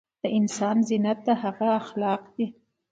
دانسان زينت دهغه اخلاق دي